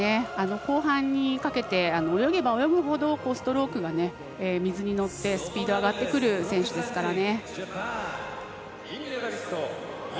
後半にかけて泳げば泳ぐほどストロークが水に乗ってスピードが上がってくる選手ですからね。